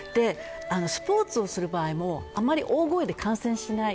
スポーツをする場合もあまり大声で観戦しない。